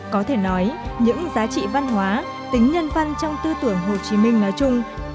có thể nói những giá trị văn hóa tính nhân văn trong tư tưởng hồ chí minh nói chung